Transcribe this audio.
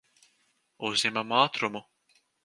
Uzņemam ātrumu.